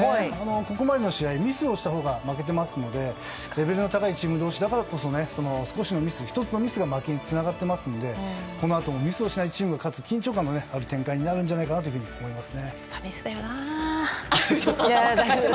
ここまでの試合ミスをしたほうが負けていますのでレベルの高いチーム同士だからこそ１つのミスで負けにつながっていますのでこのあともミスをしないチームが勝つ緊張感のある展開になるんじゃないかなと思います。